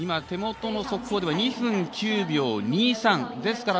手元の速報では２分９秒２３です。